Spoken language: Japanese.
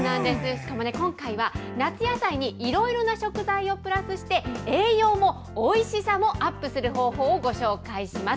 しかもね、今回は夏野菜にいろいろな食材をプラスして、栄養もおいしさもアップする方法をご紹介します。